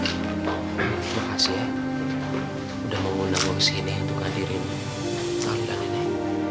sam makasih ya udah mau ngundang gue kesini untuk hadirin tali dan nenek